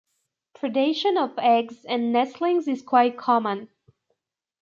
Predation of eggs and nestlings is quite common.